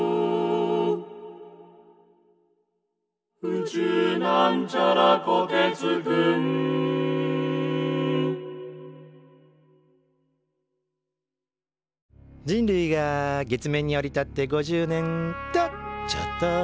「宇宙」人類が月面に降り立って５０年。とちょっと。